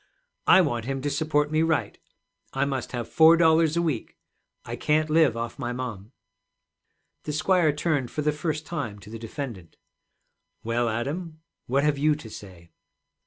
'I want him to support me right. I must have four dollars a week. I can't live off my mom.' The squire turned for the first time to the defendant. 'Well, Adam, what have you to say?'